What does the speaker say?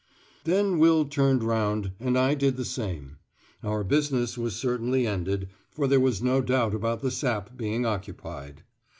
Then Will turned round, and I did the same. Our business was certainly ended, for there was no doubt about the sap being occupied.